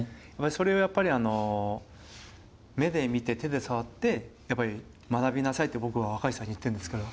それはやっぱり「目で見て手で触って学びなさい」って僕は若い衆さんに言ってんですけど。